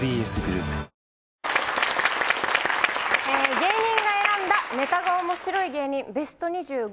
芸人が選んだネタが面白い芸人ベスト２５。